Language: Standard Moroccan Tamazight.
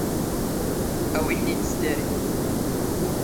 ⴰⵡⵉ ⵜⵏ ⵉⴷ ⵙ ⴷⴰⵔⵉ.